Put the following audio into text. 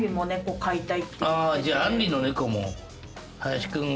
じゃああんりの猫も林君が。